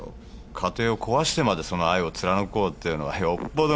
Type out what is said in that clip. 家庭を壊してまでその愛を貫こうっていうのはよっぽど。